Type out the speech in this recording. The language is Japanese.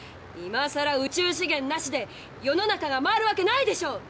今さら宇宙資源なしで世の中が回るわけないでしょ！